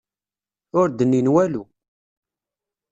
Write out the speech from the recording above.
Ur d-nnin walu.